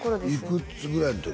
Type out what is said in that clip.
いくつぐらいの時？